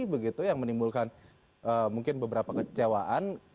begitu yang menimbulkan mungkin beberapa kecewaan